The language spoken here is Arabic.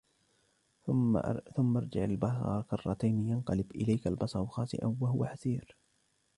ثم ارجع البصر كرتين ينقلب إليك البصر خاسئا وهو حسير